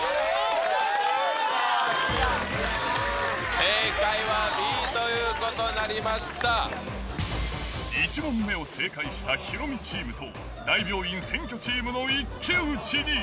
正解はＢということになりま１問目を正解したヒロミチームと、大病院占拠チームの一騎打ちに。